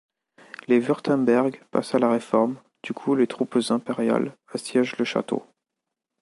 Les Wurtemberg passent à la Réforme, du coup les troupes impériales assiègent le château.